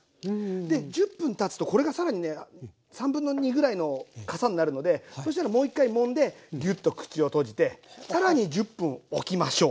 で１０分たつとこれが更にね2/3ぐらいのかさになるのでそしたらもう一回もんでギュッと口を閉じて更に１０分おきましょう。